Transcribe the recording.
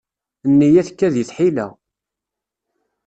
Nneyya tekka di tḥila.